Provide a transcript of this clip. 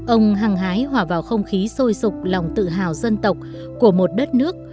ông hằng hái hỏa vào không khí sôi sụp lòng tự hào dân tộc của một đất nước